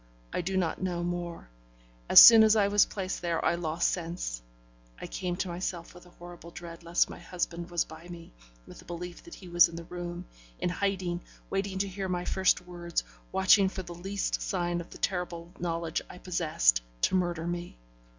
I do not know more; as soon as I was placed there I lost sense; I came to myself with a horrible dread lest my husband was by me, with a belief that he was in the room, in hiding, waiting to hear my first words, watching for the least sign of the terrible knowledge I possessed to murder me.